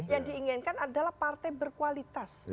yang diinginkan adalah partai berkualitas